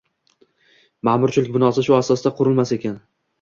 ma’murchilik binosi shu asosda qurilmas ekan